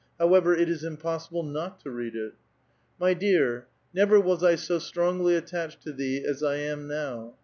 How ever, it is impossible not to read it. '' My dear,* never was I so strongly attached to thee as I am now.